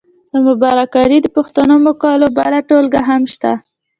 د مبارک علي د پښتو مقالو بله ټولګه هم شته.